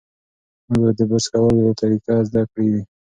موږ به د برس کولو طریقه زده کړې وي.